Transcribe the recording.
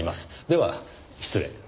では失礼。